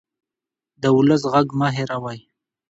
د ولس غږ مه هېروئ